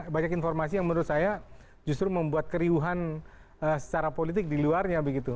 banyak informasi yang menurut saya justru membuat keriuhan secara politik di luarnya begitu